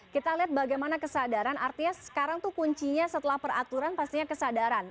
kita lihat bagaimana kesadaran artinya sekarang tuh kuncinya setelah peraturan pastinya kesadaran